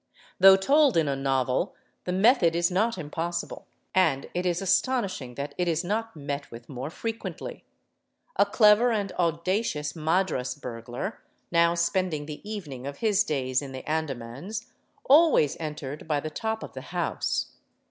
Though told in a novel, the method 'is not impossible and it is astonishing that it is not met with more frequently. A clever and audacious Madras burglar, now spending the evening of his days in the Andamans, always entered by the top of the house.